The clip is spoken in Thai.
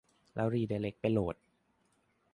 แล้วรีไดเร็กไปโหลด